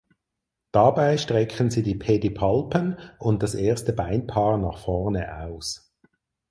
Dabei strecken sie die Pedipalpen und das erste Beinpaar nach vorne aus.